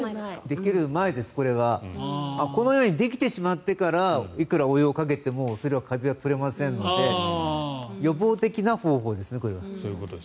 できる前です、これは。このようにできてしまってからいくらお湯をかけてもカビは取れませんので予防的な方法ですね。